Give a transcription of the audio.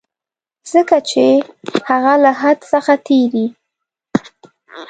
ځکه چي که هغه له حد څخه تېری.